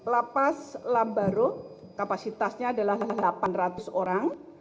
lapas lambaro kapasitasnya adalah delapan ratus orang